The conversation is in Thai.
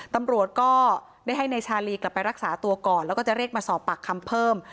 ตำรวจก็ได้ให้นายชาลีกลับไปรักษาตัวก่อนแล้วก็จะเรียกมาสอบปากคำเพิ่ม